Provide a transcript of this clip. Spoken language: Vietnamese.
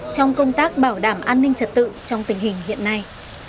trong công tác bảo đảm an ninh trật tự trong tình hình hiện nay